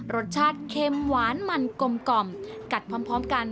รสชาติเค็มหวานมันกลมกัดพร้อมกัน